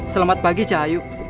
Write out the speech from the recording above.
selamat pagi cahayu